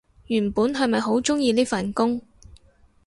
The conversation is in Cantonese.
原本係咪好鍾意呢份工